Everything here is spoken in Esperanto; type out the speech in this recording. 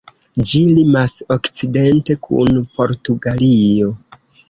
Ĝi limas okcidente kun Portugalio.